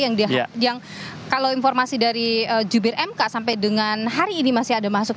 yang kalau informasi dari jubir mk sampai dengan hari ini masih ada masuk